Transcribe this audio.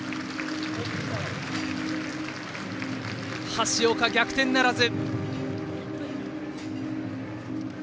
橋岡、逆転ならず。